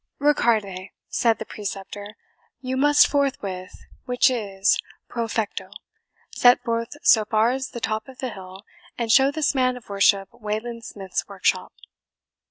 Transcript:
"RICARDE," said the preceptor, "you must forthwith (which is PROFECTO) set forth so far as the top of the hill, and show this man of worship Wayland Smith's workshop."